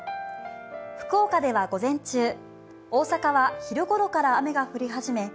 福岡では午前中、大阪は昼ごろから雨が降り始め